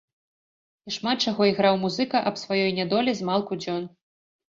І шмат чаго іграў музыка аб сваёй нядолі змалку дзён.